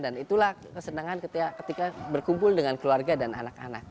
dan itulah kesenangan ketika berkumpul dengan keluarga dan anak anak